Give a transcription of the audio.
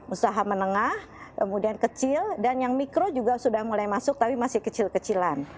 usaha menengah kemudian kecil dan yang mikro juga sudah mulai masuk tapi masih kecil kecilan